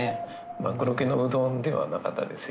真っ黒けのうどんではなかったですよ。